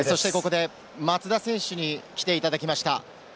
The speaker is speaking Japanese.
松田選手に来ていただきました。